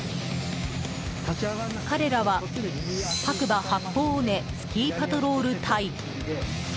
彼らは白馬八方尾根スキーパトロール隊。